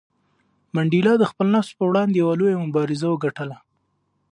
منډېلا د خپل نفس پر وړاندې یوه لویه مبارزه وګټله.